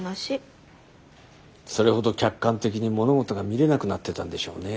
それほど客観的に物事が見れなくなってたんでしょうね。